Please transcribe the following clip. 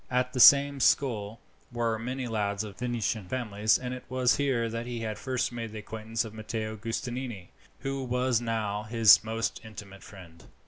At the same school were many lads of good Venetian families, and it was here that he had first made the acquaintance of Matteo Giustiniani, who was now his most intimate friend.